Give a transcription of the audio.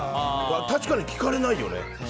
確かに聞かれないよね。